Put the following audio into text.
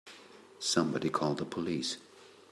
Somebody call the police!